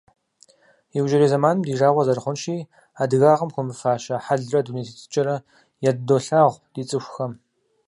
Иужьрей зэманым, ди жагъуэ зэрыхъущи, адыгагъэм хуэмыфащэ хьэлрэ дуней тетыкӀэрэ ядыдолъагъу ди цӏыхухэм.